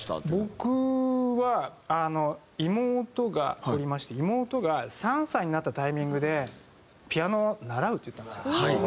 僕はあの妹がおりまして妹が３歳になったタイミングで「ピアノを習う」って言ったんですよ。